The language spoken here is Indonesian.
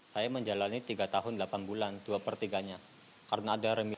saya menjalani tiga tahun delapan bulan dua per tiga nya karena ada remit